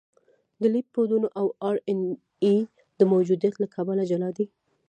د لیپیدونو او ار ان اې د موجودیت له کبله جلا دي.